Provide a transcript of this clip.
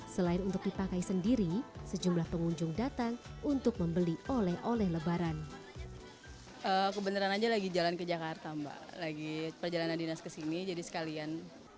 selain untuk dipakai sendiri sejumlah pengunjung datang untuk membeli oleh oleh lebaran